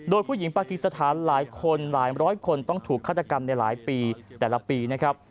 โดยผู้หญิงปากีสถานหลายคนหลายร้อยคนต้องถูกฆาตกรรมในหลายปีแต่ละปีนะครับ